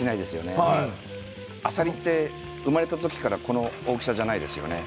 あさりって生まれた時からこの大きさじゃないですよね。